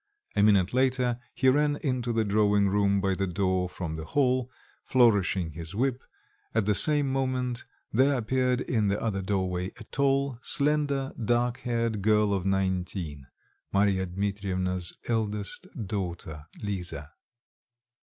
A minute later he ran into the drawing room by the door from the hall, flourishing his whip; at the same moment there appeared in the other doorway a tall, slender dark haired girl of nineteen, Marya Dmitrievna's eldest daughter, Lisa.